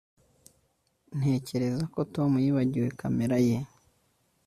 Ntekereza ko Tom yibagiwe kamera ye